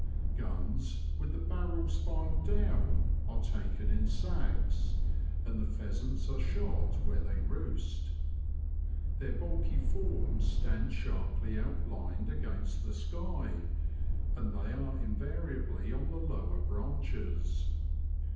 Guns, with the barrels filed down, are taken in sacks^ and the pheasants are shot where they roost. Their bulky forms stand sharply out lined against the sky, and they are invariably on the lower branches.